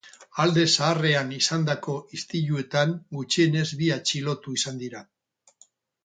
Alde zaharrean izandako istiluetan gutxienez bi atxilotu izan dira.